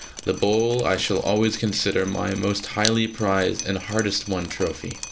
The bowl I shall always consider my most highly prized and hardest won trophy.